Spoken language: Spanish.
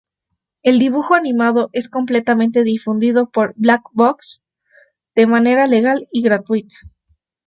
El dibujo animado es completamente difundido por Black Box de manera legal y gratuita.